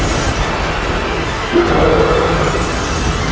tak hidup lagi